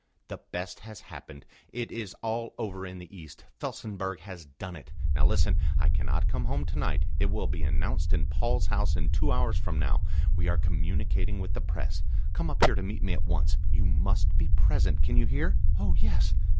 "The best has happened. It is all over in the East. Felsenburgh has done it. Now listen. I cannot come home to night. It will be announced in Paul's House in two hours from now. We are communicating with the Press. Come up here to me at once. You must be present.... Can you hear?" "Oh, yes."